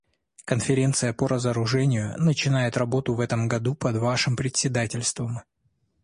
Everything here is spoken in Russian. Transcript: Конференция по разоружению начинает работу в этом году под вашим председательством.